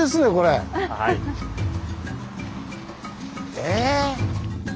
え？